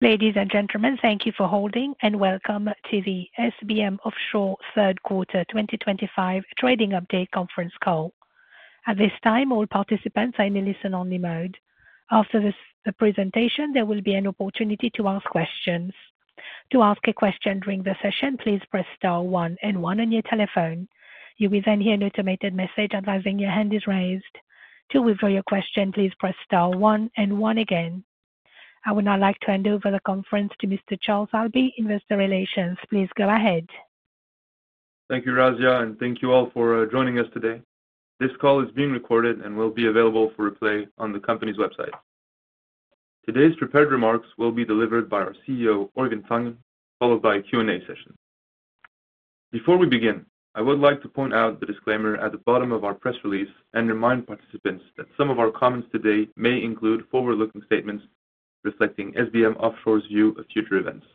Ladi`es and gentlemen, thank you for holding, and welcome to the SBM Offshore third quarter 2025 trading update conference call. At this time, all participants are in a listen-only mode. After the presentation, there will be an opportunity to ask questions. To ask a question during the session, please press star one and one on your telephone. You will then hear an automated message advising your hand is raised. To withdraw your question, please press star one and one again. I would now like to hand over the conference to Mr. Charles Alby, Investor Relations. Please go ahead. Thank you, Razia, and thank you all for joining us today. This call is being recorded and will be available for replay on the company's website. Today's prepared remarks will be delivered by our CEO, Øivind Tangen, followed by a Q&A session. Before we begin, I would like to point out the disclaimer at the bottom of our press release and remind participants that some of our comments today may include forward-looking statements reflecting SBM Offshore's view of future events.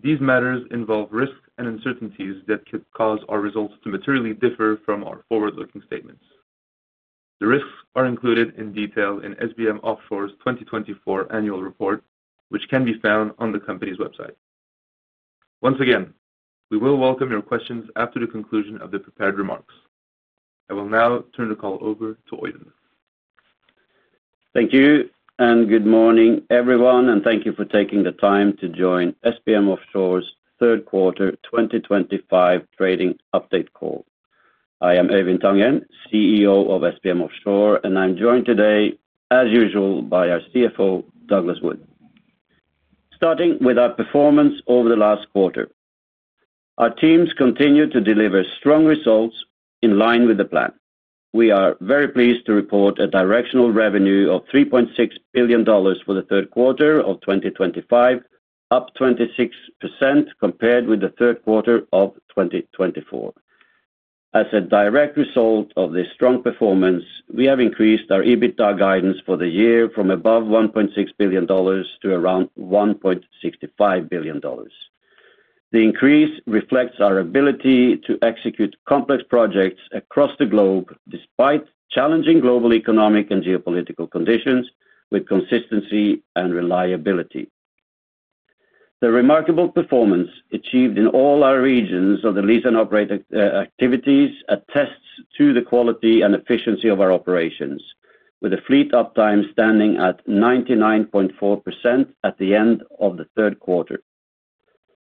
These matters involve risks and uncertainties that could cause our results to materially differ from our forward-looking statements. The risks are included in detail in SBM Offshore's 2024 annual report, which can be found on the company's website. Once again, we will welcome your questions after the conclusion of the prepared remarks. I will now turn the call over to Øivind. Thank you, and good morning, everyone, and thank you for taking the time to join SBM Offshore's third quarter 2025 trading update call. I am Øivind Tangen, CEO of SBM Offshore, and I'm joined today, as usual, by our CFO, Douglas Wood. Starting with our performance over the last quarter, our teams continued to deliver strong results in line with the plan. We are very pleased to report a directional revenue of $3.6 billion for the third quarter of 2025, up 26% compared with the third quarter of 2024. As a direct result of this strong performance, we have increased our EBITDA guidance for the year from above $1.6 billion to around $1.65 billion. The increase reflects our ability to execute complex projects across the globe despite challenging global economic and geopolitical conditions with consistency and reliability. The remarkable performance achieved in all our regions of the Lease and Operate activities attests to the quality and efficiency of our operations, with the fleet uptime standing at 99.4% at the end of the third quarter.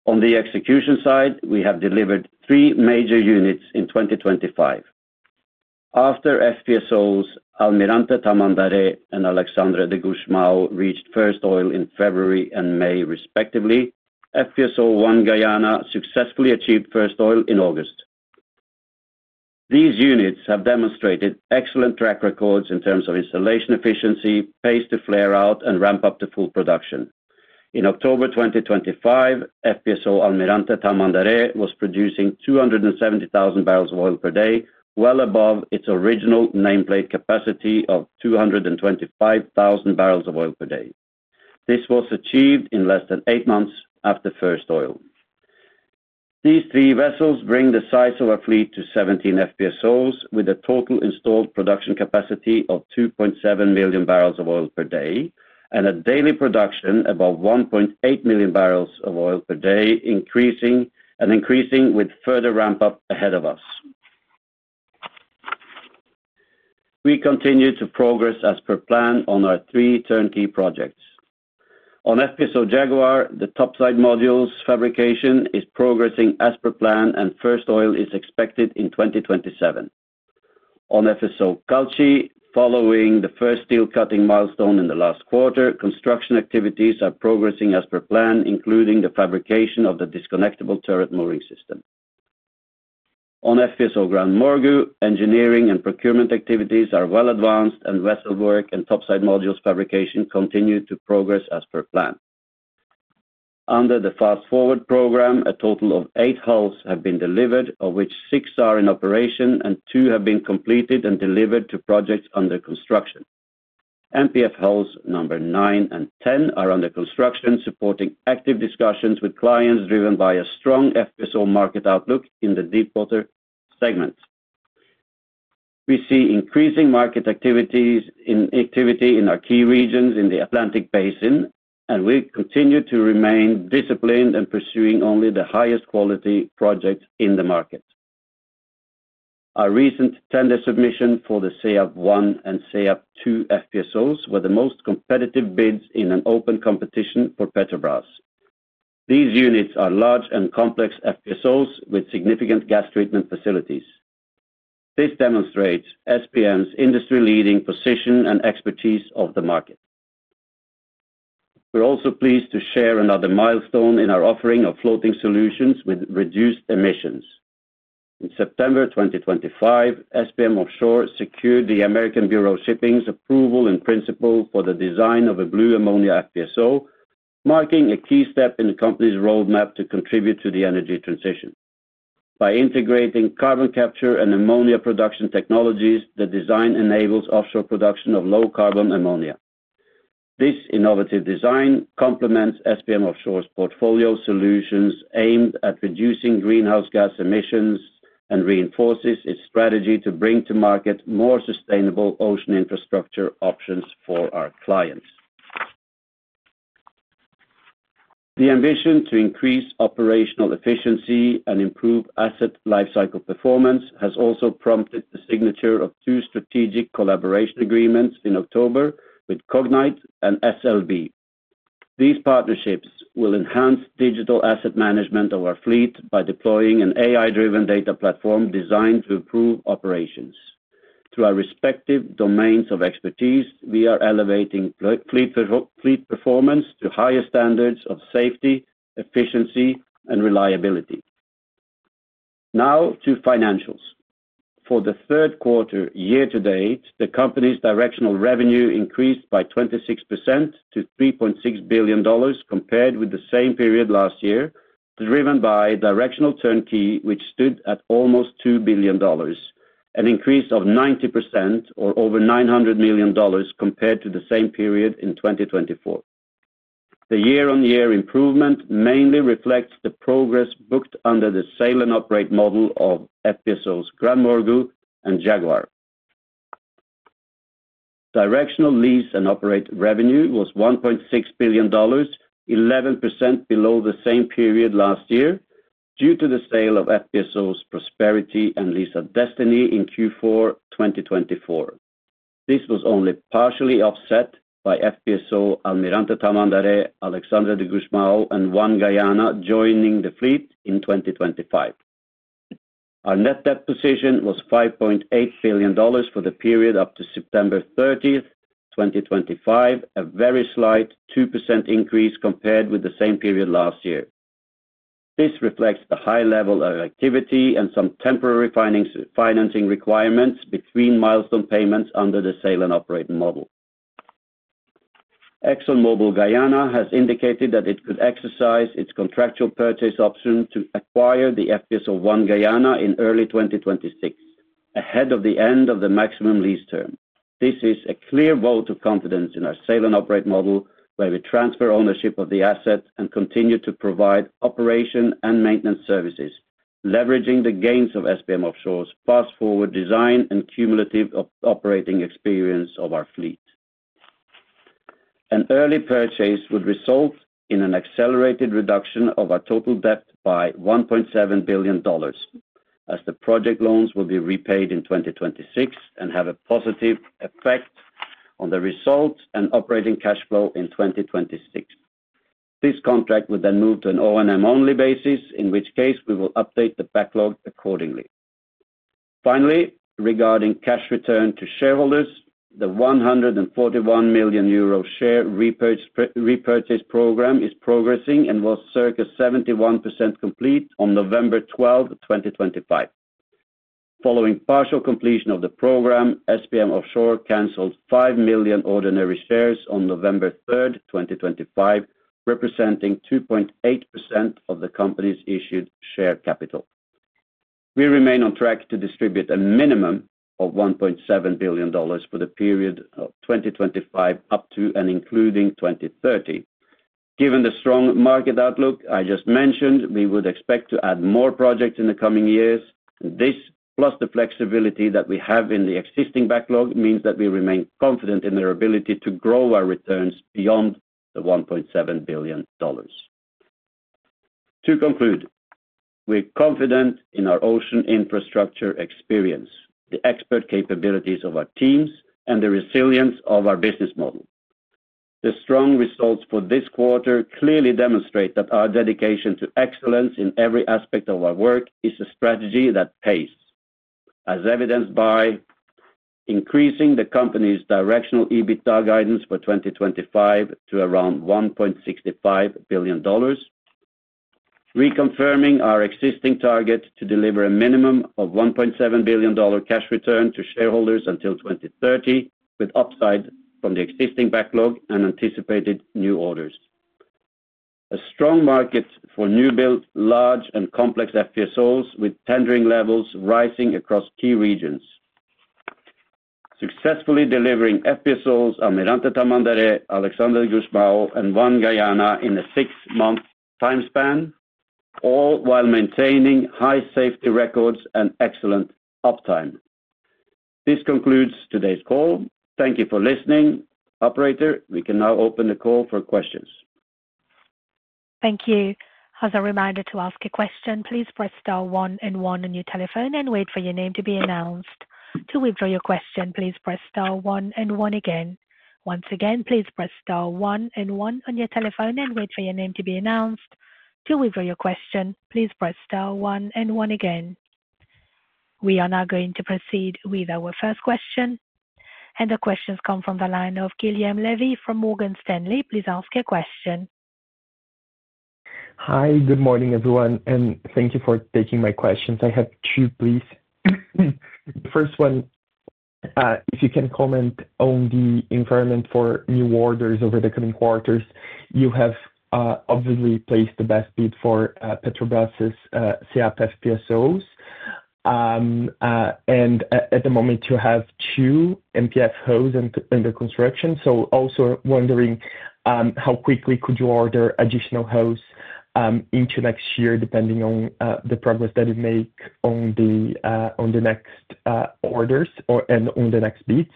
On the execution side, we have delivered three major units in 2025. After FPSO's Almirante Tamandaré and Alexandre de Gusmão reached first oil in February and May, respectively, FPSO One Guyana successfully achieved first oil in August. These units have demonstrated excellent track records in terms of installation efficiency, pace to flare out, and ramp up to full production. In October 2025, FPSO Almirante Tamandaré was producing 270,000 barrels of oil per day, well above its original nameplate capacity of 225,000 barrels of oil per day. This was achieved in less than eight months after first oil. These three vessels bring the size of our fleet to 17 FPSOs, with a total installed production capacity of 2.7 million barrels of oil per day and a daily production above 1.8 million barrels of oil per day, increasing and increasing with further ramp-up ahead of us. We continue to progress as per plan on our three turnkey projects. On FPSO Jaguar, the topside modules fabrication is progressing as per plan, and first oil is expected in 2027. On FSO Kulthi, following the first steel cutting milestone in the last quarter, construction activities are progressing as per plan, including the fabrication of the disconnectable turret mooring system. On FPSO GranMorgu, engineering and procurement activities are well advanced, and vessel work and topside modules fabrication continue to progress as per plan. Under the Fast Forward Program, a total of eight hulls have been delivered, of which six are in operation and two have been completed and delivered to projects under construction. MPF hulls number nine and ten are under construction, supporting active discussions with clients driven by a strong FPSO market outlook in the deepwater segment. We see increasing market activity in our key regions in the Atlantic Basin, and we continue to remain disciplined and pursuing only the highest quality projects in the market. Our recent tender submission for the SEAP I and SEAP II FPSOs were the most competitive bids in an open competition for Petrobras. These units are large and complex FPSOs with significant gas treatment facilities. This demonstrates SBM's industry-leading position and expertise of the market. We're also pleased to share another milestone in our offering of floating solutions with reduced emissions. In September 2025, SBM Offshore secured the American Bureau of Shipping's approval in principle for the design of a Blue Ammonia FPSO, marking a key step in the company's roadmap to contribute to the energy transition. By integrating carbon capture and ammonia production technologies, the design enables offshore production of low carbon ammonia. This innovative design complements SBM Offshore's portfolio solutions aimed at reducing greenhouse gas emissions and reinforces its strategy to bring to market more sustainable ocean infrastructure options for our clients. The ambition to increase operational efficiency and improve asset lifecycle performance has also prompted the signature of two strategic collaboration agreements in October with Cognite and SLB. These partnerships will enhance digital asset management of our fleet by deploying an AI-driven data platform designed to improve operations. Through our respective domains of expertise, we are elevating fleet performance to higher standards of safety, efficiency, and reliability. Now to financials. For the third quarter year-to-date, the company's directional revenue increased by 26% to $3.6 billion compared with the same period last year, driven by directional turnkey, which stood at almost $2 billion, an increase of 90% or over $900 million compared to the same period in 2024. The year-on-year improvement mainly reflects the progress booked under the Sail and Operate model of FPSOs GranMorgu and Jaguar. Directional Lease and Operate revenue was $1.6 billion, 11% below the same period last year due to the sale of FPSOs Prosperity and Liza Destiny in Q4 2024. This was only partially offset by FPSO Almirante Tamandaré, Alexandre de Gusmão, and One Guyana joining the fleet in 2025. Our net debt position was $5.8 billion for the period up to September 30, 2025, a very slight 2% increase compared with the same period last year. This reflects the high level of activity and some temporary financing requirements between milestone payments under the Sail and Operate model. ExxonMobil Guyana has indicated that it could exercise its contractual purchase option to acquire the FPSO One Guyana in early 2026, ahead of the end of the maximum lease term. This is a clear vote of confidence in our Sail and Operate model where we transfer ownership of the asset and continue to provide operation and maintenance services, leveraging the gains of SBM Offshore's Fast Forward design and cumulative operating experience of our fleet. An early purchase would result in an accelerated reduction of our total debt by $1.7 billion, as the project loans will be repaid in 2026 and have a positive effect on the result and operating cash flow in 2026. This contract would then move to an O&M-only basis, in which case we will update the backlog accordingly. Finally, regarding cash return to shareholders, the 141 million euro share repurchase program is progressing and will be circa 71% complete on November 12, 2025. Following partial completion of the program, SBM Offshore canceled 5 million ordinary shares on November 3, 2025, representing 2.8% of the company's issued share capital. We remain on track to distribute a minimum of $1.7 billion for the period of 2025 up to and including 2030. Given the strong market outlook I just mentioned, we would expect to add more projects in the coming years. This, plus the flexibility that we have in the existing backlog, means that we remain confident in our ability to grow our returns beyond the $1.7 billion. To conclude, we're confident in our ocean infrastructure experience, the expert capabilities of our teams, and the resilience of our business model. The strong results for this quarter clearly demonstrate that our dedication to excellence in every aspect of our work is a strategy that pays, as evidenced by increasing the company's directional EBITDA guidance for 2025 to around $1.65 billion, reconfirming our existing target to deliver a minimum of $1.7 billion cash return to shareholders until 2030, with upside from the existing backlog and anticipated new orders. A strong market for new-built, large, and complex FPSOs, with tendering levels rising across key regions. Successfully delivering FPSOs Almirante Tamandaré, Alexandre de Gusmão, and One Guyana in a six-month time span, all while maintaining high safety records and excellent uptime. This concludes today's call. Thank you for listening. Operator, we can now open the call for questions. Thank you. As a reminder to ask a question, please press star one and one on your telephone and wait for your name to be announced. To withdraw your question, please press star one and one again. Once again, please press star one and one on your telephone and wait for your name to be announced. To withdraw your question, please press star one and one again. We are now going to proceed with our first question. The questions come from the line of Guilherme Levy from Morgan Stanley. Please ask your question. Hi, good morning, everyone, and thank you for taking my questions. I have two, please. The first one, if you can comment on the environment for new orders over the coming quarters, you have obviously placed the best bid for Petrobras's SEAP FPSOs. At the moment, you have two MPF hulls under construction. I am also wondering how quickly could you order additional hulls into next year, depending on the progress that you make on the next orders and on the next bids.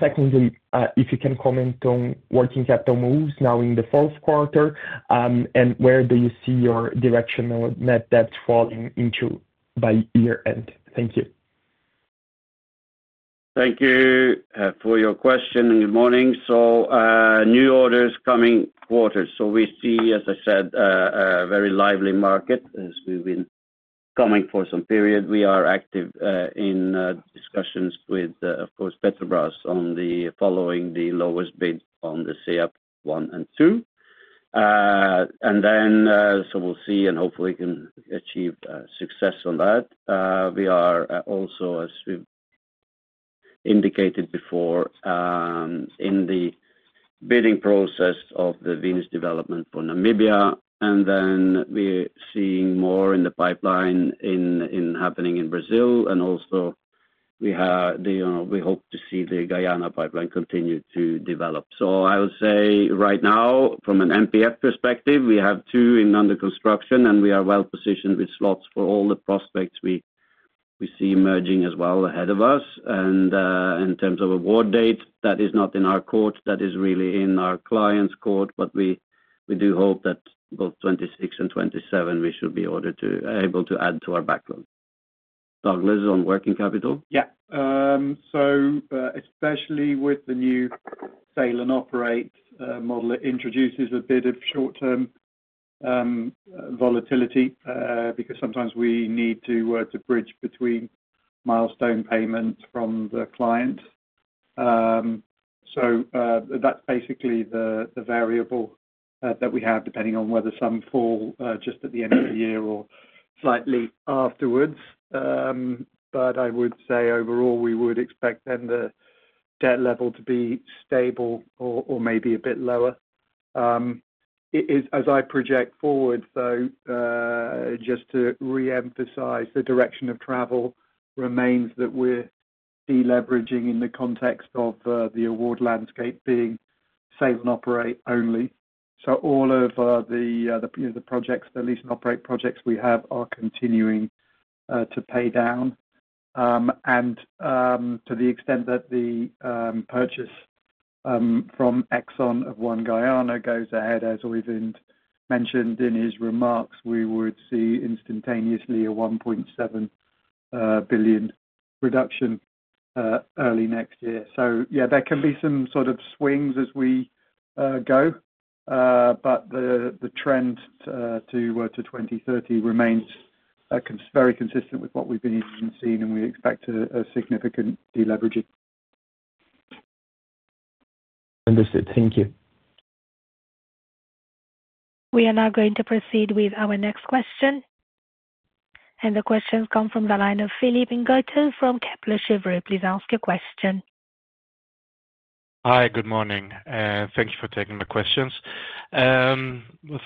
Secondly, if you can comment on working capital moves now in the fourth quarter, and where do you see your directional net debt falling into by year end? Thank you. Thank you for your question and good morning. New orders coming quarter. We see, as I said, a very lively market as we've been coming for some period. We are active in discussions with, of course, Petrobras on following the lowest bid on the SEAP I and II. We will see and hopefully can achieve success on that. We are also, as we've indicated before, in the bidding process of the Venus development for Namibia. We are seeing more in the pipeline happening in Brazil. We hope to see the Guyana pipeline continue to develop. I would say right now, from an MPF perspective, we have two under construction, and we are well positioned with slots for all the prospects we see emerging as well ahead of us. In terms of award date, that is not in our court. That is really in our client's court, but we do hope that both 2026 and 2027, we should be able to add to our backlog. Douglas, on working capital? Yeah. Especially with the new Sail and Operate model, it introduces a bit of short-term volatility because sometimes we need to work to bridge between milestone payments from the client. That is basically the variable that we have, depending on whether some fall just at the end of the year or slightly afterwards. I would say overall, we would expect then the debt level to be stable or maybe a bit lower. As I project forward, though, just to reemphasize, the direction of travel remains that we are deleveraging in the context of the award landscape being Sail and Operate only. All of the projects, the lease and operate projects we have, are continuing to pay down. To the extent that the purchase from Exxon of One Guyana goes ahead, as Øivind mentioned in his remarks, we would see instantaneously a $1.7 billion reduction early next year. Yeah, there can be some sort of swings as we go, but the trend to 2030 remains very consistent with what we've been seeing, and we expect a significant deleveraging. Understood. Thank you. We are now going to proceed with our next question. The questions come from the line of Philip Ngotho from Kepler Cheuvreux. Please ask your question. Hi, good morning. Thank you for taking my questions. The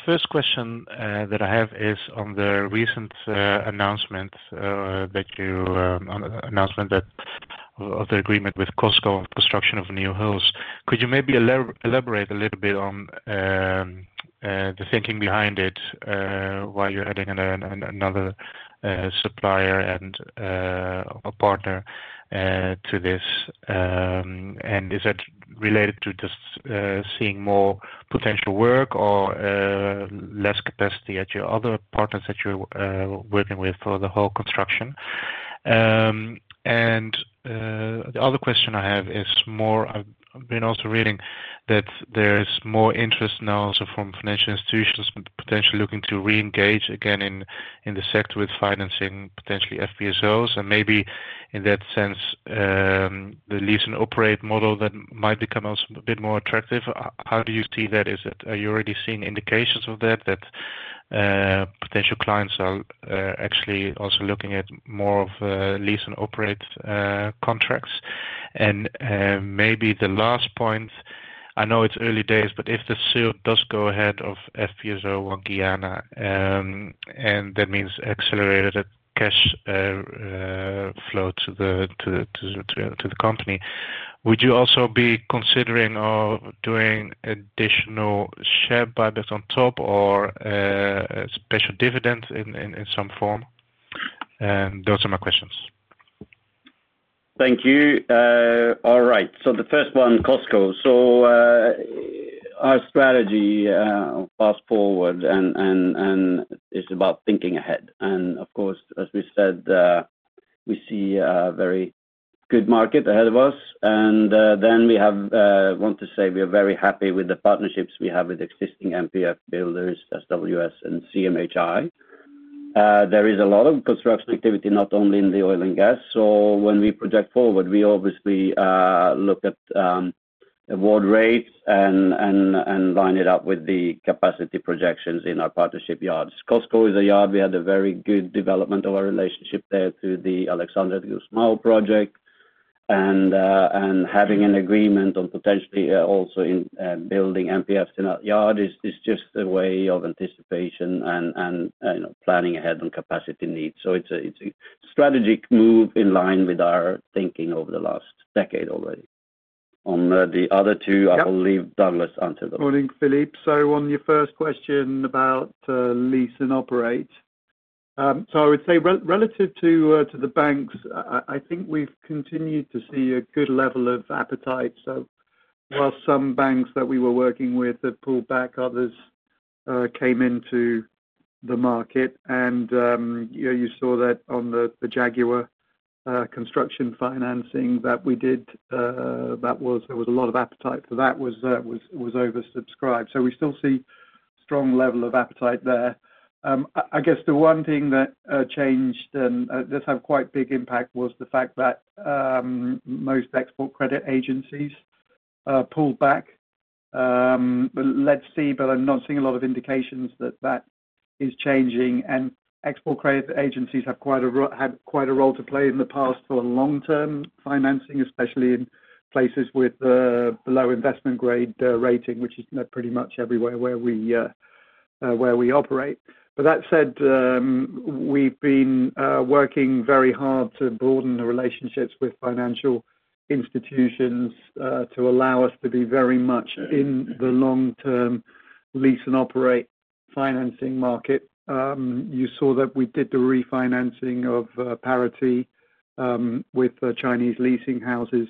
first question that I have is on the recent announcement that you announced of the agreement with COSCO on construction of new hulls. Could you maybe elaborate a little bit on the thinking behind it, why you're adding another supplier and a partner to this? Is that related to just seeing more potential work or less capacity at your other partners that you're working with for the hull construction? The other question I have is, I've been also reading that there's more interest now also from financial institutions potentially looking to reengage again in the sector with financing, potentially FPSOs, and maybe in that sense, the lease and operate model that might become also a bit more attractive. How do you see that? Are you already seeing indications of that, that potential clients are actually also looking at more of lease and operate contracts? Maybe the last point, I know it's early days, but if the sale does go ahead of FPSO One Guyana, and that means accelerated cash flow to the company, would you also be considering or doing additional share buybacks on top or special dividends in some form? Those are my questions. Thank you. All right. The first one, COSCO. Our strategy Fast Forward is about thinking ahead. Of course, as we said, we see a very good market ahead of us. We want to say we are very happy with the partnerships we have with existing MPF builders, SWS and CMHI. There is a lot of construction activity, not only in oil and gas. When we project forward, we obviously look at award rates and line it up with the capacity projections in our partnership yards. COSCO is a yard where we had a very good development of our relationship through the Alexandre de Gusmão project. Having an agreement on potentially also building MPFs in that yard is just a way of anticipation and planning ahead on capacity needs. It is a strategic move in line with our thinking over the last decade already. On the other two, I will leave Douglas to answer those. Morning, Philip. On your first question about Lease and Operate, I would say relative to the banks, I think we've continued to see a good level of appetite. While some banks that we were working with had pulled back, others came into the market. You saw that on the Jaguar construction financing that we did, there was a lot of appetite for that, it was oversubscribed. We still see a strong level of appetite there. I guess the one thing that changed and does have quite a big impact was the fact that most export credit agencies pulled back. Let's see, but I'm not seeing a lot of indications that that is changing. Export credit agencies have quite a role to play in the past for long-term financing, especially in places with the low investment grade rating, which is pretty much everywhere where we operate. That said, we've been working very hard to broaden the relationships with financial institutions to allow us to be very much in the long-term lease and operate financing market. You saw that we did the refinancing of Parity with Chinese leasing houses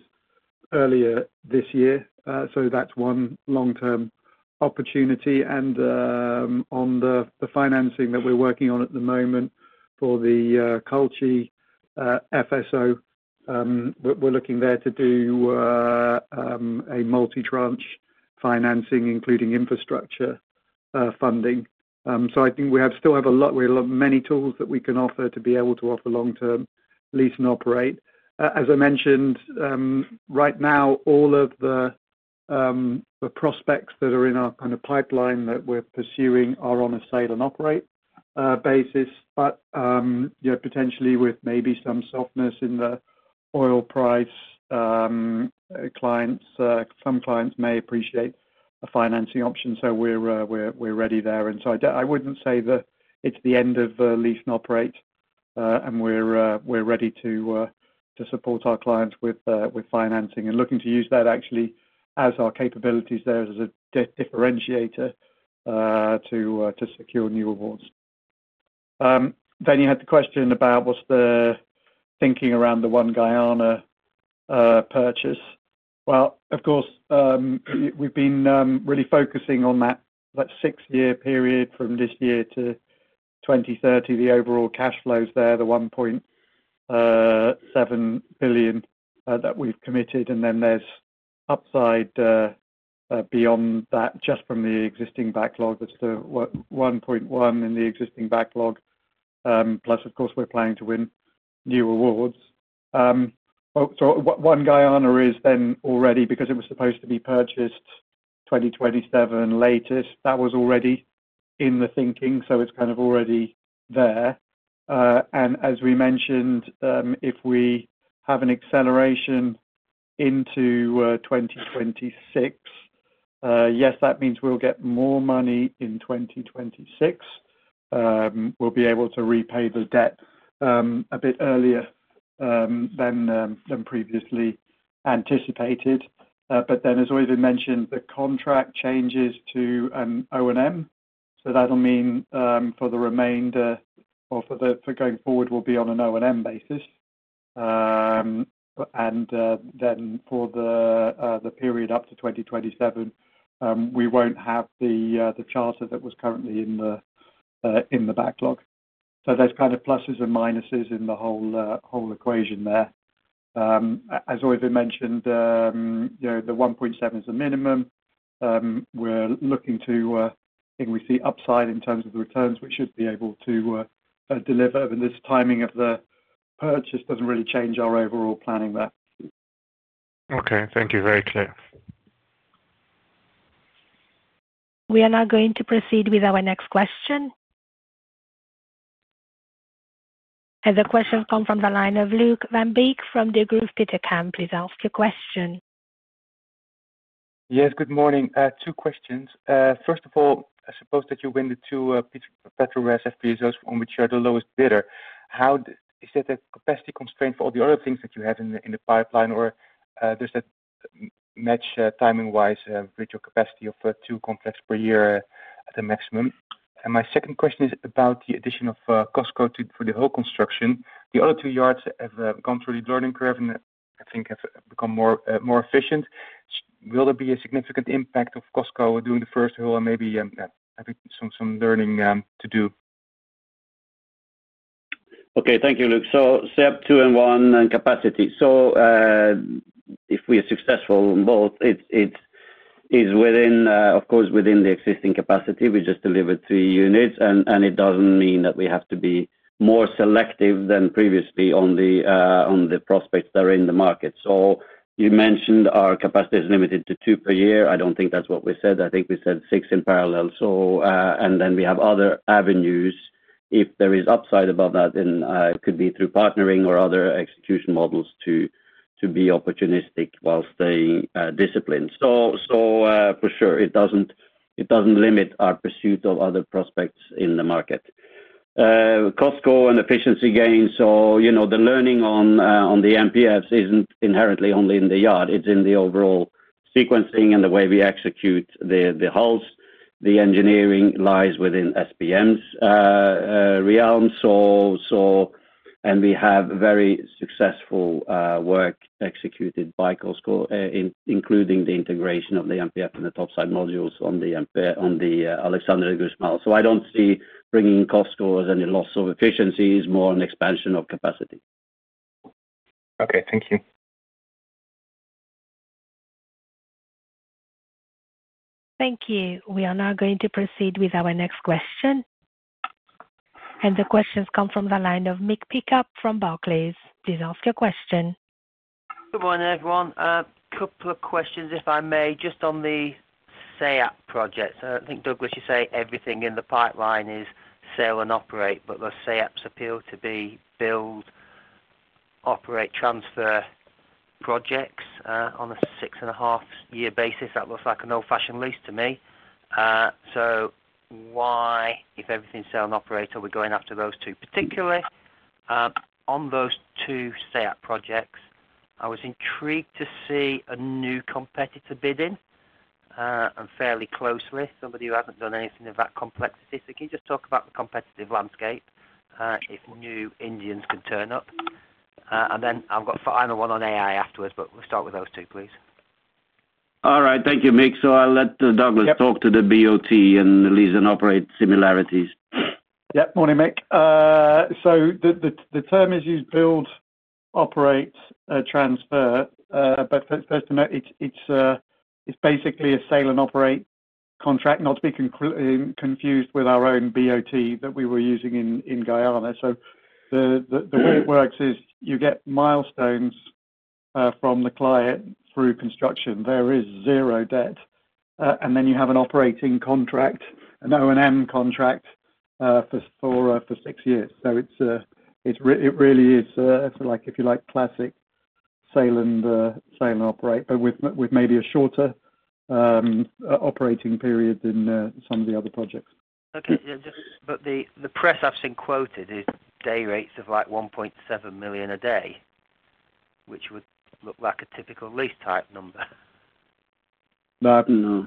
earlier this year. That's one long-term opportunity. On the financing that we're working on at the moment for the Kulthi FSO, we're looking there to do a multi-tranche financing, including infrastructure funding. I think we still have a lot, we have many tools that we can offer to be able to offer long-term lease and operate. As I mentioned, right now, all of the prospects that are in our kind of pipeline that we're pursuing are on a Sail and Operate basis, but potentially with maybe some softness in the oil price, some clients may appreciate a financing option, so we're ready there. I would not say that it is the end of Lease and Operate, and we are ready to support our clients with financing and looking to use that actually as our capabilities there as a differentiator to secure new awards. You had the question about what is the thinking around the One Guyana purchase. Of course, we have been really focusing on that six-year period from this year to 2030. The overall cash flows there, the $1.7 billion that we have committed. There is upside beyond that just from the existing backlog. That is the $1.1 billion in the existing backlog. Plus, of course, we are planning to win new awards. One Guyana is then already, because it was supposed to be purchased 2027 latest, that was already in the thinking. It is kind of already there. As we mentioned, if we have an acceleration into 2026, yes, that means we'll get more money in 2026. We'll be able to repay the debt a bit earlier than previously anticipated. As Øivind mentioned, the contract changes to an O&M. That'll mean for the remainder or for going forward, we'll be on an O&M basis. For the period up to 2027, we won't have the charter that was currently in the backlog. There are kind of pluses and minuses in the whole equation there. As Øivind mentioned, the $1.7 billion is the minimum. We're looking to, I think we see upside in terms of the returns, which we should be able to deliver. This timing of the purchase doesn't really change our overall planning there. Okay. Thank you. Very clear. We are now going to proceed with our next question. The questions come from the line of Luuk Van Beek from Degroof Petercam, please ask your question. Yes. Good morning. Two questions. First of all, I suppose that you win the two Petrobras FPSOs on which you are the lowest bidder. Is that a capacity constraint for all the other things that you have in the pipeline, or does that match timing-wise with your capacity of two contracts per year at a maximum? My second question is about the addition of COSCO for the hull construction. The other two yards have gone through the learning curve and I think have become more efficient. Will there be a significant impact of COSCO doing the first hull and maybe having some learning to do? Okay. Thank you, Luuk. SEAP II and I and capacity. If we are successful in both, it is, of course, within the existing capacity. We just delivered three units. It does not mean that we have to be more selective than previously on the prospects that are in the market. You mentioned our capacity is limited to two per year. I do not think that is what we said. I think we said six in parallel. We have other avenues. If there is upside above that, it could be through partnering or other execution models to be opportunistic while staying disciplined. For sure, it does not limit our pursuit of other prospects in the market. COSCO and efficiency gains. The learning on the MPFs is not inherently only in the yard. It is in the overall sequencing and the way we execute the hulls. The engineering lies within SBM's realm. We have very successful work executed by COSCO, including the integration of the MPF and the topside modules on the Alexandre de Gusmão. I don't see bringing COSCO as any loss of efficiencies, more an expansion of capacity. Okay. Thank you. Thank you. We are now going to proceed with our next question. The questions come from the line of Mick Pickup from Barclays. Please ask your question. Good morning, everyone. A couple of questions, if I may, just on the SEAP projects. I do not think, Douglas, you say everything in the pipeline is Sail and Operate, but the SEAPs appear to be build, operate, transfer projects on a six-and-a-half-year basis. That looks like an old-fashioned lease to me. So why, if everything is Sail and Operate, are we going after those two particularly? On those two SEAP projects, I was intrigued to see a new competitor bidding and fairly closely. Somebody who has not done anything of that complexity. Can you just talk about the competitive landscape if new Indians could turn up? I have a final one on AI afterwards, but we will start with those two, please. All right. Thank you, Mick. I'll let Douglas talk to the BOT and Lease and Operate similarities. Yep. Morning, Mick. The term is used build, operate, transfer. First, it is basically a Sail and Operate contract, not to be confused with our own BOT that we were using in Guyana. The way it works is you get milestones from the client through construction. There is zero debt. Then you have an operating contract, an O&M contract for six years. It really is, if you like, classic Sail and Operate, but with maybe a shorter operating period than some of the other projects. Okay. The press I've seen quoted is day rates of like $1.7 million a day, which would look like a typical lease type number. No.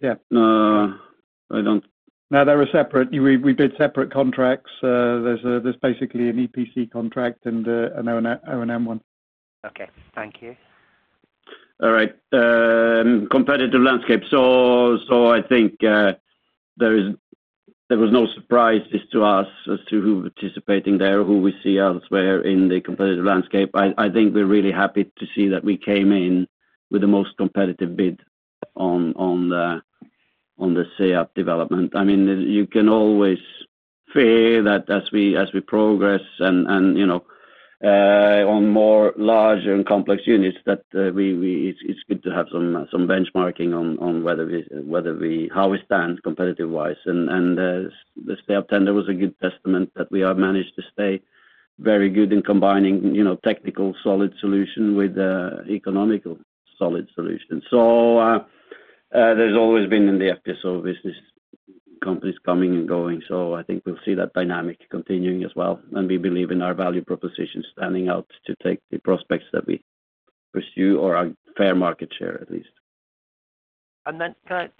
Yeah, I don't. No, they're separate. We bid separate contracts. There's basically an EPC contract and an O&M one. Okay. Thank you. All right. Competitive landscape. I think there was no surprise to us as to who was participating there, who we see elsewhere in the competitive landscape. I think we're really happy to see that we came in with the most competitive bid on the SEAP development. I mean, you can always fear that as we progress and on more large and complex units, that it's good to have some benchmarking on how we stand competitive-wise. The SEAP tender was a good testament that we have managed to stay very good in combining technical solid solution with economical solid solution. There's always been in the FPSO business companies coming and going. I think we'll see that dynamic continuing as well. We believe in our value proposition standing out to take the prospects that we pursue or a fair market share, at least.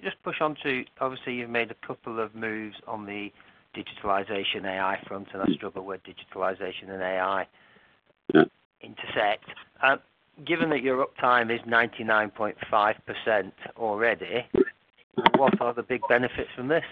Just push on to, obviously, you've made a couple of moves on the digitalization AI front. I struggle with digitalization and AI intersect. Given that your uptime is 99.5% already, what are the big benefits from this?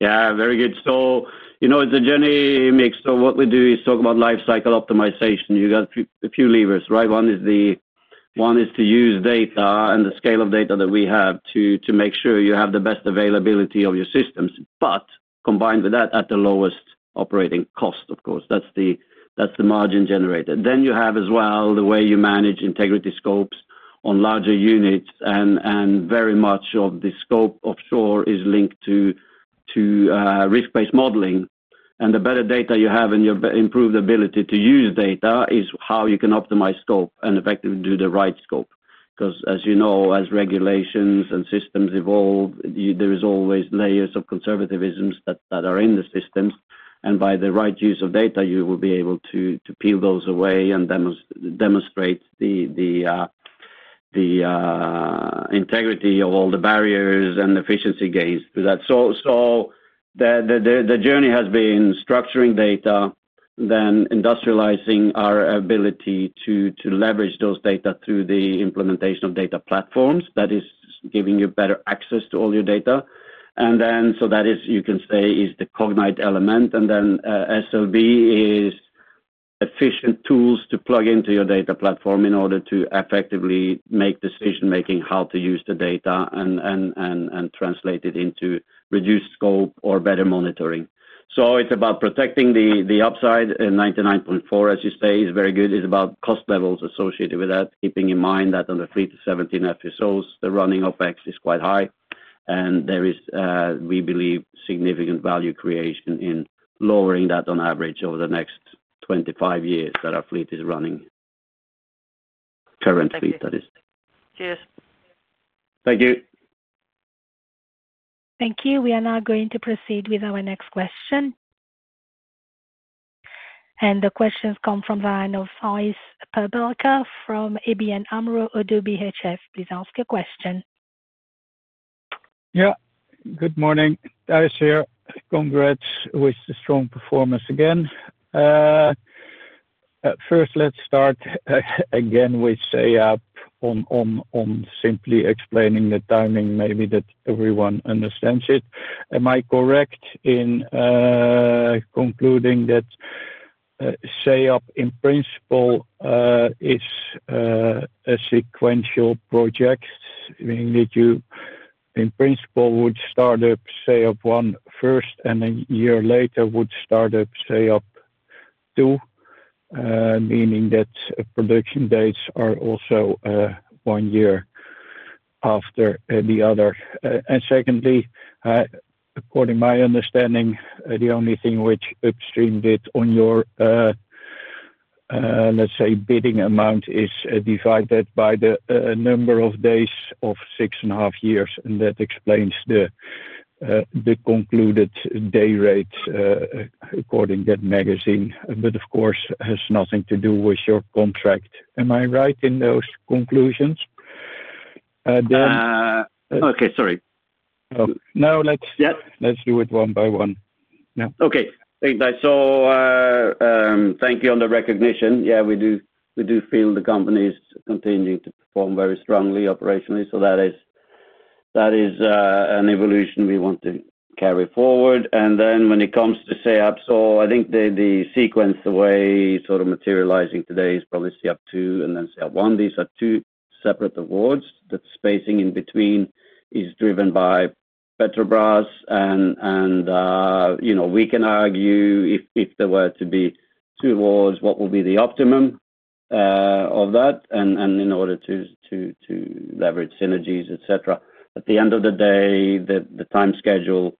Yeah. Very good. So it's a journey, Mick. What we do is talk about lifecycle optimization. You got a few levers, right? One is to use data and the scale of data that we have to make sure you have the best availability of your systems. Combined with that, at the lowest operating cost, of course. That's the margin generator. You have as well the way you manage integrity scopes on larger units. Very much of the scope offshore is linked to risk-based modeling. The better data you have and your improved ability to use data is how you can optimize scope and effectively do the right scope. Because as you know, as regulations and systems evolve, there are always layers of conservatisms that are in the systems. By the right use of data, you will be able to peel those away and demonstrate the integrity of all the barriers and efficiency gains through that. The journey has been structuring data, then industrializing our ability to leverage those data through the implementation of data platforms that is giving you better access to all your data. That is, you can say, the Cognite element. SLB is efficient tools to plug into your data platform in order to effectively make decision-making how to use the data and translate it into reduced scope or better monitoring. It is about protecting the upside. 99.4%, as you say, is very good. It is about cost levels associated with that, keeping in mind that on the fleet of 17 FPSOs, the running of X is quite high. There is, we believe, significant value creation in lowering that on average over the next 25 years that our fleet is running. Current fleet, that is. Cheers. Thank you. Thank you. We are now going to proceed with our next question. The questions come from the line of Thijs Berkelder from ABN AMRO - ODDO BHF. Please ask your question. Yeah. Good morning. Thijs here. Congrats with the strong performance again. First, let's start again with SEAP on simply explaining the timing, maybe that everyone understands it. Am I correct in concluding that SEAP, in principle, is a sequential project? Meaning that you, in principle, would start up SEAP I first and then a year later would start up SEAP II, meaning that production dates are also one year after the other. Secondly, according to my understanding, the only thing which Upstream did on your, let's say, bidding amount is divided by the number of days of six and a half years. That explains the concluded day rate according to that magazine. Of course, it has nothing to do with your contract. Am I right in those conclusions? Okay. Sorry. No. Let's do it one by one. Okay. Thank you. Thank you on the recognition. Yeah, we do feel the company is continuing to perform very strongly operationally. That is an evolution we want to carry forward. When it comes to SEAP, I think the sequence, the way sort of materializing today is probably SEAP II and then SEAP I. These are two separate awards. The spacing in between is driven by Petrobras. We can argue if there were to be two awards, what would be the optimum of that in order to leverage synergies, etc. At the end of the day, the time schedule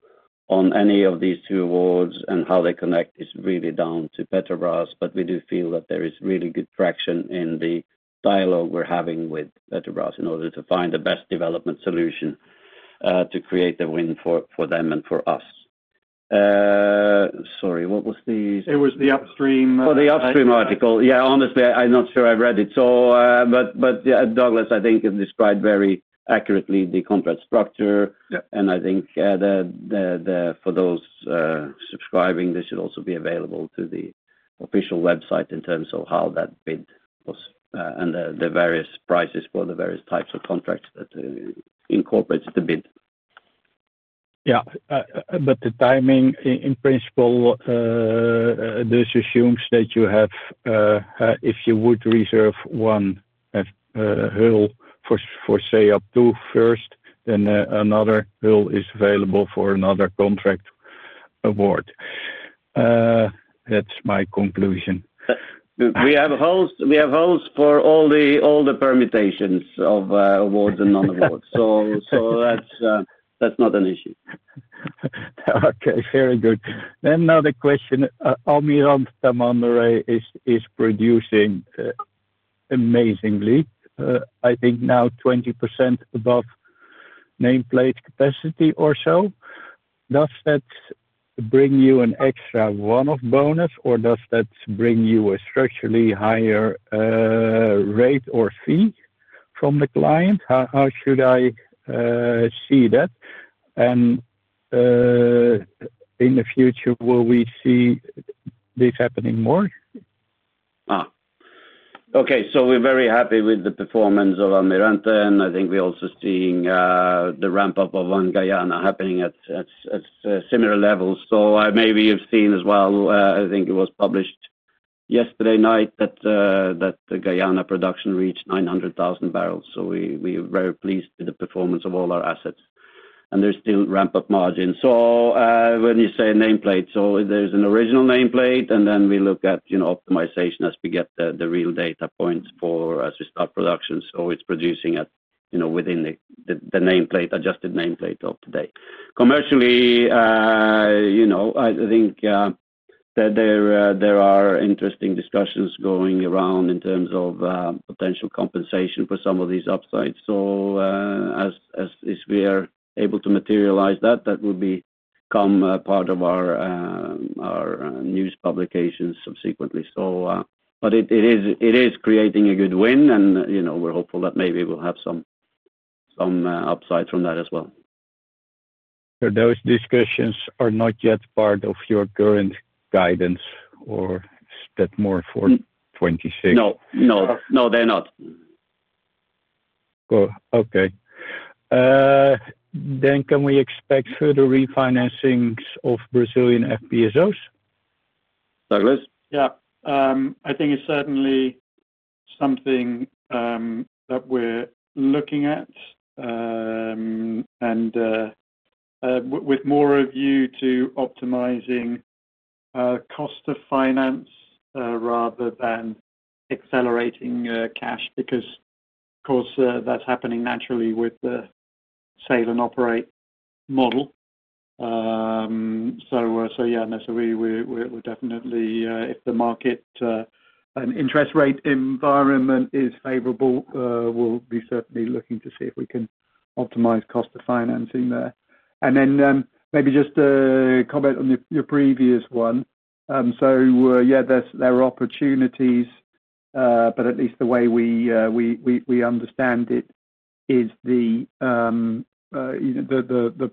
on any of these two awards and how they connect is really down to Petrobras. We do feel that there is really good traction in the dialogue we're having with Petrobras in order to find the best development solution to create the win for them and for us. Sorry. What was the? It was the Upstream. Oh, the Upstream article. Yeah. Honestly, I'm not sure I read it. Douglas, I think, has described very accurately the contract structure. I think for those subscribing, this should also be available to the official website in terms of how that bid was and the various prices for the various types of contracts that incorporate the bid. Yeah. But the timing, in principle, this assumes that you have, if you would reserve one hull for SEAP II first, then another hull is available for another contract award. That's my conclusion. We have hulls for all the permutations of awards and non-awards. That is not an issue. Okay. Very good. Another question. Almirante Tamandaré is producing amazingly, I think, now 20% above nameplate capacity or so. Does that bring you an extra one-off bonus, or does that bring you a structurally higher rate or fee from the client? How should I see that? In the future, will we see this happening more? Okay. We're very happy with the performance of Almirante. I think we're also seeing the ramp-up of One Guyana happening at similar levels. Maybe you've seen as well, I think it was published yesterday night, that the Guyana production reached 900,000 barrels. We are very pleased with the performance of all our assets. There's still ramp-up margin. When you say nameplate, there's an original nameplate, and then we look at optimization as we get the real data points as we start production. It's producing within the nameplate, adjusted nameplate of today. Commercially, I think there are interesting discussions going around in terms of potential compensation for some of these upsides. As we are able to materialize that, that will become part of our news publications subsequently. It is creating a good win. We're hopeful that maybe we'll have some upside from that as well. Those discussions are not yet part of your current guidance, or is that more for 2026? No. No. No, they're not. Cool. Okay. Can we expect further refinancings of Brazilian FPSOs? Douglas? Yeah. I think it's certainly something that we're looking at and with more of a view to optimizing cost of finance rather than accelerating cash. Because of course, that's happening naturally with the Sail and Operate model. Yeah, we're definitely, if the market and interest rate environment is favorable, we'll be certainly looking to see if we can optimize cost of financing there. Maybe just a comment on your previous one. There are opportunities, but at least the way we understand it is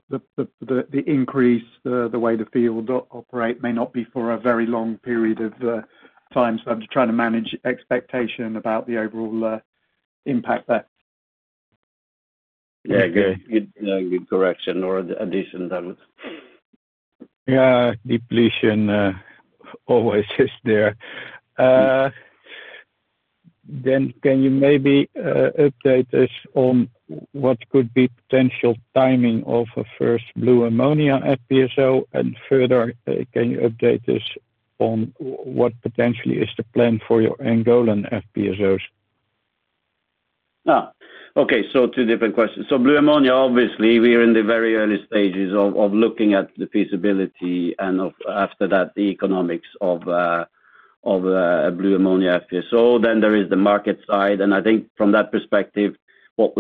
the increase, the way the field operate may not be for a very long period of time. I'm just trying to manage expectation about the overall impact there. Yeah. Good correction or addition, Douglas. Yeah. Depletion always is there. Can you maybe update us on what could be potential timing of a first blue ammonia FPSO? Further, can you update us on what potentially is the plan for your Angolan FPSOs? Okay. Two different questions. Blue Ammonia, obviously, we are in the very early stages of looking at the feasibility and after that, the economics of a Blue Ammonia FPSO. There is the market side. I think from that perspective, what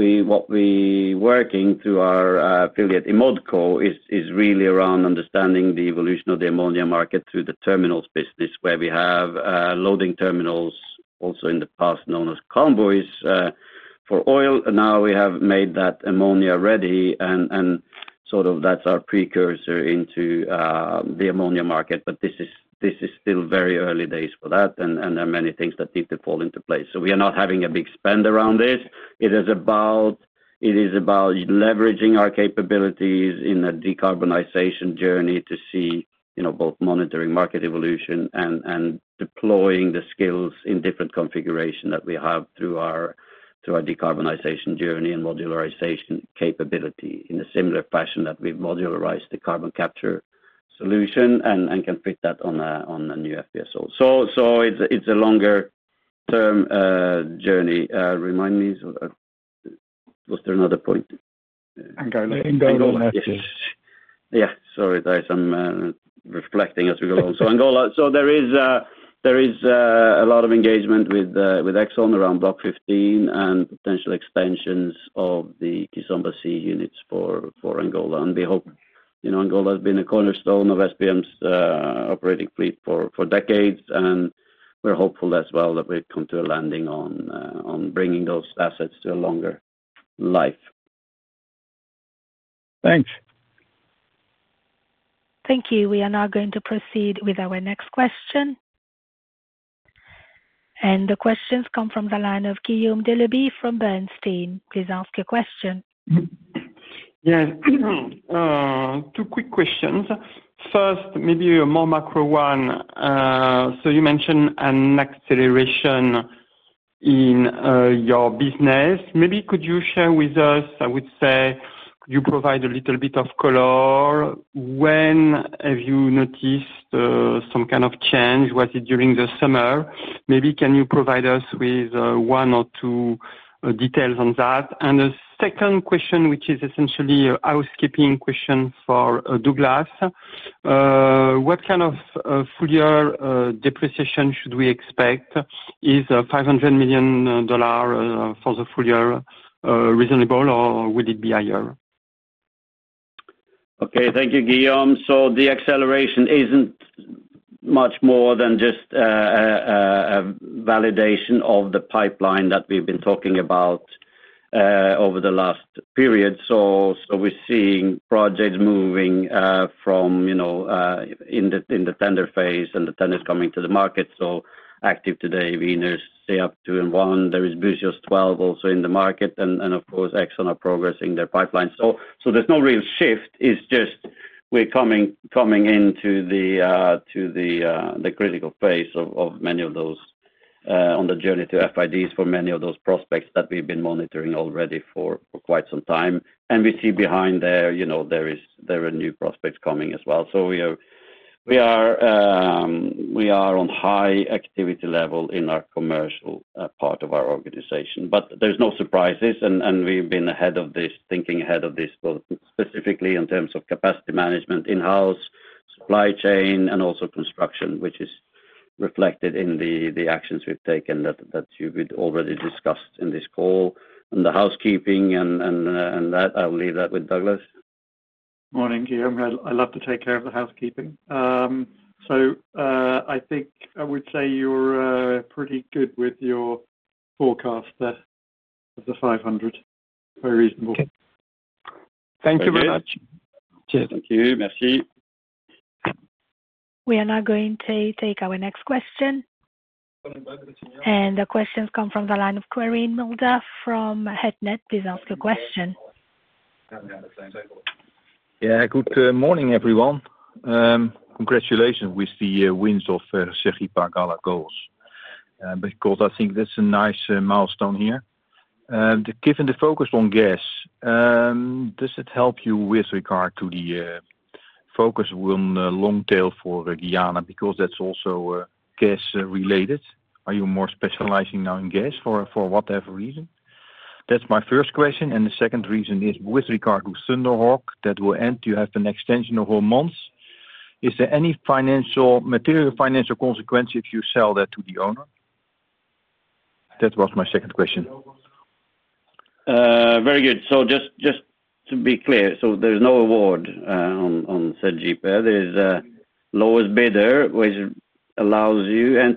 we're working through our affiliate Imodco is really around understanding the evolution of the ammonia market through the terminals business, where we have loading terminals, also in the past known as convoys, for oil. Now we have made that ammonia ready. That's our precursor into the ammonia market. This is still very early days for that. There are many things that need to fall into place. We are not having a big spend around this. It is about leveraging our capabilities in a decarbonization journey to see both monitoring market evolution and deploying the skills in different configurations that we have through our decarbonization journey and modularization capability in a similar fashion that we've modularized the carbon capture solution and can fit that on a new FPSO. It is a longer-term journey. Remind me, was there another point? Angola. Angola. Yeah. Sorry. I'm reflecting as we go along. Angola. There is a lot of engagement with Exxon around Block 15 and potential extensions of the Kizomba C units for Angola. We hope Angola has been a cornerstone of SBM Offshore's operating fleet for decades. We're hopeful as well that we've come to a landing on bringing those assets to a longer life. Thanks. Thank you. We are now going to proceed with our next question. The questions come from the line of Guillaume Delaby from Bernstein. Please ask your question. Yeah. Two quick questions. First, maybe a more macro one. You mentioned an acceleration in your business. Maybe could you share with us, I would say, could you provide a little bit of color? When have you noticed some kind of change? Was it during the summer? Maybe can you provide us with one or two details on that? The second question, which is essentially a housekeeping question for Douglas, what kind of full-year depreciation should we expect? Is $500 million for the full-year reasonable, or will it be higher? Okay. Thank you, Guillaume. The acceleration is not much more than just a validation of the pipeline that we have been talking about over the last period. We are seeing projects moving from in the tender phase and the tenders coming to the market. Active today, Avenirs, SEAP II and I. There is Búzios 12 also in the market. Of course, Exxon are progressing their pipeline. There is no real shift. We are coming into the critical phase of many of those on the journey to FIDs for many of those prospects that we have been monitoring already for quite some time. We see behind there, there are new prospects coming as well. We are on high activity level in our commercial part of our organization. There are no surprises. We have been ahead of this, thinking ahead of this, specifically in terms of capacity management in-house, supply chain, and also construction, which is reflected in the actions we have taken that you have already discussed in this call. The housekeeping and that, I will leave that with Douglas. Morning, Guillaume. I love to take care of the housekeeping. I think I would say you're pretty good with your forecast there of the $500 million. Very reasonable. Thank you very much. Cheers. Thank you. Merci. We are now going to take our next question. The questions come from the line of Quirijn Mulder from [Hetnet]. Please ask your question. Yeah. Good morning, everyone. Congratulations with the wins of [Cherrypagala goals]. Because I think that's a nice milestone here. Given the focus on gas, does it help you with regard to the focus on long tail for Guyana? Because that's also gas-related. Are you more specializing now in gas for whatever reason? That's my first question. The second reason is with regard to Thunder Hawk that will end to have an extension of four months. Is there any material financial consequence if you sell that to the owner? That was my second question. Very good. Just to be clear, there's no award on [SADGIP]. There is a lowest bidder which allows you and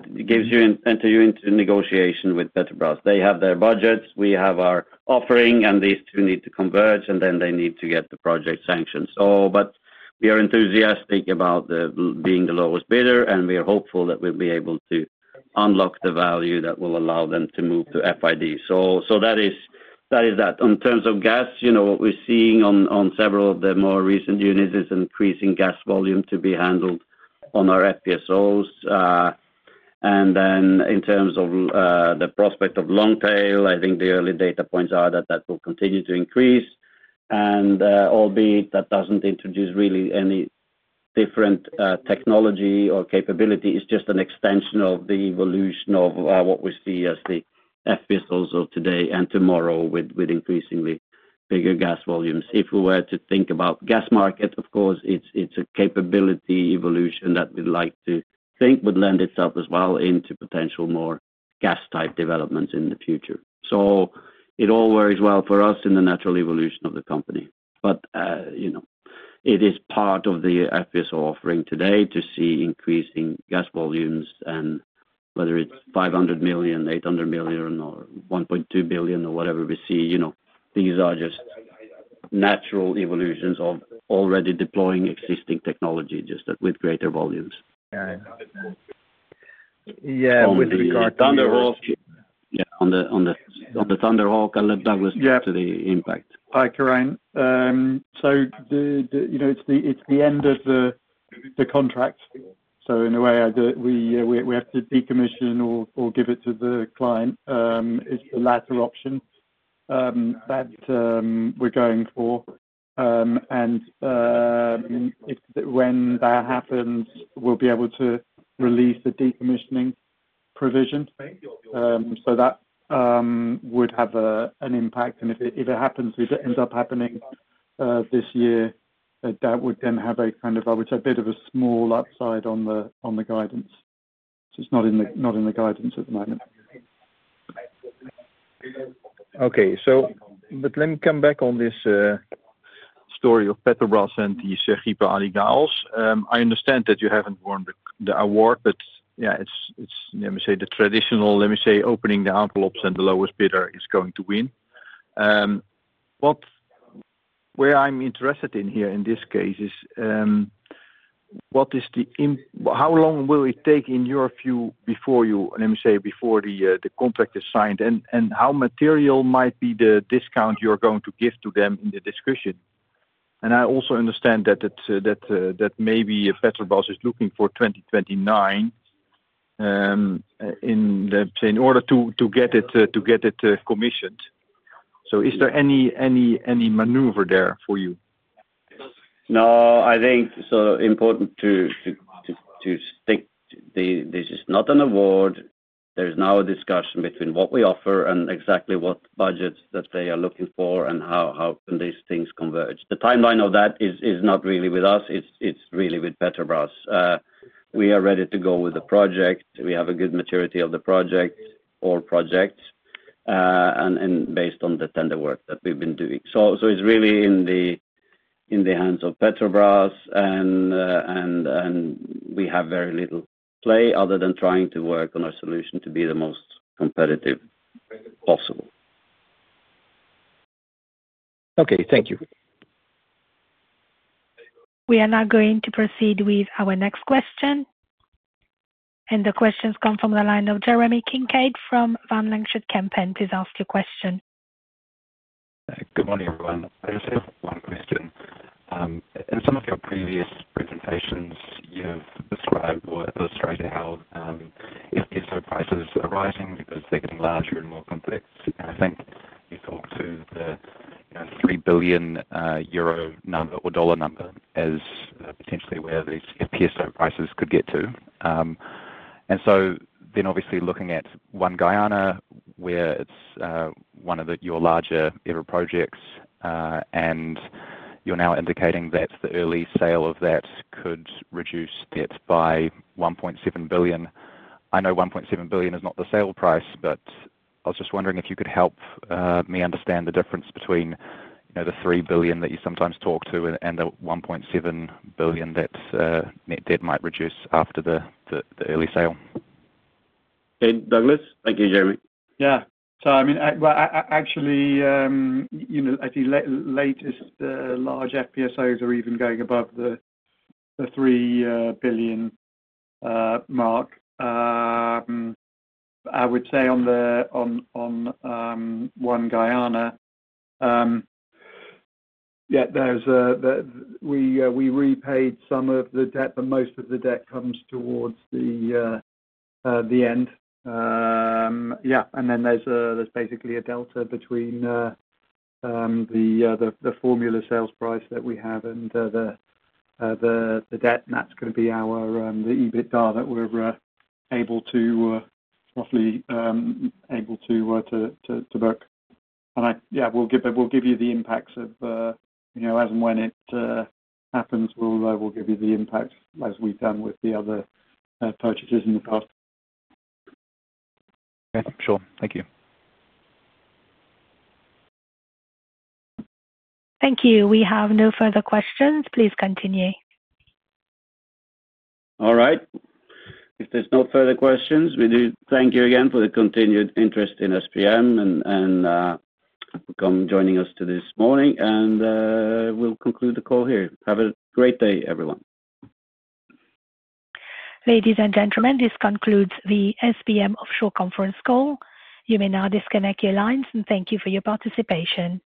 enters you into negotiation with Petrobras. They have their budgets. We have our offering. These two need to converge. They need to get the project sanctioned. We are enthusiastic about being the lowest bidder. We are hopeful that we'll be able to unlock the value that will allow them to move to FID. That is that. In terms of gas, what we're seeing on several of the more recent units is increasing gas volume to be handled on our FPSOs. In terms of the prospect of long tail, I think the early data points are that that will continue to increase. Albeit that doesn't introduce really any different technology or capability. It's just an extension of the evolution of what we see as the FPSOs of today and tomorrow with increasingly bigger gas volumes. If we were to think about the gas market, of course, it's a capability evolution that we'd like to think would lend itself as well into potential more gas-type developments in the future. It all works well for us in the natural evolution of the company. It is part of the FPSO offering today to see increasing gas volumes. Whether it's $500 million, $800 million, or $1.2 billion, or whatever we see, these are just natural evolutions of already deploying existing technology just with greater volumes. Yeah. With regard to. On the Thunder Hawk. Yeah. On the Thunder Hawk. Douglas, back to the impact. Hi, Quirijn. It is the end of the contract. In a way, we have to decommission or give it to the client. It is the latter option that we are going for. When that happens, we will be able to release the decommissioning provision. That would have an impact. If it happens, if it ends up happening this year, that would then have a kind of, I would say, a bit of a small upside on the guidance. It is not in the guidance at the moment. Okay. Let me come back on this story of Petrobras and the [Cherrypagala Alliance]. I understand that you haven't won the award. Yeah, it's, let me say, the traditional, let me say, opening the envelopes and the lowest bidder is going to win. What I'm interested in here in this case is, what is the, how long will it take in your view before you, let me say, before the contract is signed? How material might be the discount you're going to give to them in the discussion? I also understand that maybe Petrobras is looking for 2029 in order to get it commissioned. Is there any maneuver there for you? No. I think it's important to think this is not an award. There is now a discussion between what we offer and exactly what budgets that they are looking for and how can these things converge. The timeline of that is not really with us. It's really with Petrobras. We are ready to go with the project. We have a good maturity of the project or projects and based on the tender work that we've been doing. It's really in the hands of Petrobras. We have very little play other than trying to work on our solution to be the most competitive possible. Okay. Thank you. We are now going to proceed with our next question. The questions come from the line of Jeremy Kincaid from Van Lanschot Kempen. Please ask your question. Good morning, everyone. I just have one question. In some of your previous presentations, you've described or illustrated how FPSO prices are rising because they're getting larger and more complex. I think you talked to the $3 billion number or dollar number as potentially where these FPSO prices could get to. Obviously looking at One Guyana, where it's one of your larger ever projects, and you're now indicating that the early sale of that could reduce debt by $1.7 billion. I know $1.7 billion is not the sale price, but I was just wondering if you could help me understand the difference between the $3 billion that you sometimes talk to and the $1.7 billion that net debt might reduce after the early sale. Douglas? Thank you, Jeremy. Yeah. I mean, actually, I think latest large FPSOs are even going above the $3 billion mark. I would say on One Guyana, yeah, we repaid some of the debt, but most of the debt comes towards the end. Yeah. There is basically a delta between the formula sales price that we have and the debt. That is going to be the EBITDA that we are roughly able to work. Yeah, we will give you the impacts as and when it happens, we will give you the impacts as we have done with the other purchases in the past. Okay. Sure. Thank you. Thank you. We have no further questions. Please continue. All right. If there's no further questions, we do thank you again for the continued interest in SBM and for joining us this morning. We'll conclude the call here. Have a great day, everyone. Ladies and gentlemen, this concludes the SBM Offshore Conference call. You may now disconnect your lines. Thank you for your participation.